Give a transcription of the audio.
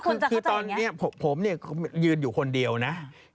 คือตอนนี้ผมเนี่ยยืนอยู่คนเดียวนะ